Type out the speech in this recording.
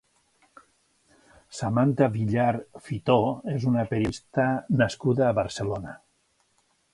Samanta Villar Fitó és una periodista nascuda a Barcelona.